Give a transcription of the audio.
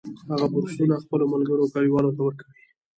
هغه بورسونه خپلو ملګرو او کلیوالو ته ورکوي